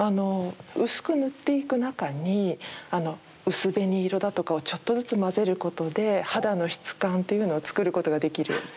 薄く塗っていく中に薄紅色だとかをちょっとずつ混ぜることで肌の質感というのを作ることができる。